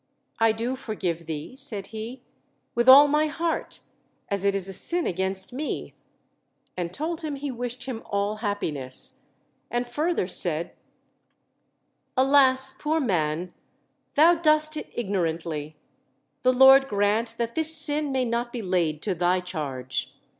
"I do forgive thee," said he, "with all my heart, as it is a sin against me," and told him he wished him all happiness; and further said, "Alas, poor man, thou dost it ignorantly; the Lord grant that this sin may not be laid to thy charge!"